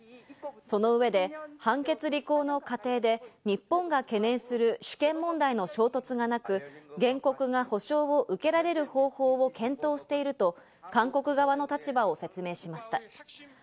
その上で、判決履行の過程で日本が懸念する主権問題の衝突がなく、原告が保障を受けられる方法を検討していると韓国側の立場を説明しました。